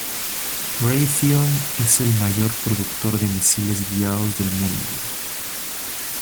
Raytheon es el mayor productor de misiles guiados del mundo.